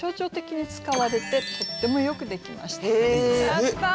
やった！